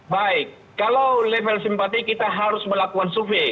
baik kalau level simpatik kita harus melakukan survei